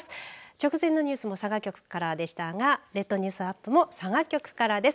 直前のニュースも佐賀局からでしたが列島ニュースアップも佐賀局からです。